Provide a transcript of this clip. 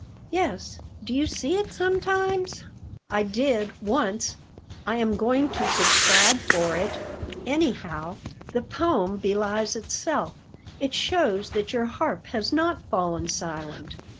"Yes. Do you see it sometimes?" "I did, once. I am going to subscribe for it. Anyhow, the poem belies itself. It shows that your harp has not fallen silent."